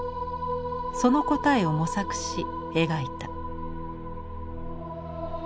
その答えを模索し描いた。